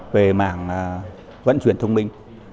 về mảng vận chuyển thông minh